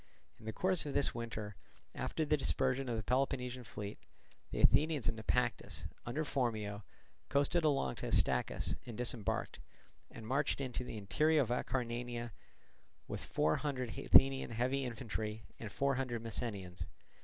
In the course of this winter, after the dispersion of the Peloponnesian fleet, the Athenians in Naupactus, under Phormio, coasted along to Astacus and disembarked, and marched into the interior of Acarnania with four hundred Athenian heavy infantry and four hundred Messenians.